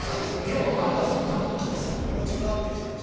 今日は有田さんなんか母さんに用事があって来たんじゃ。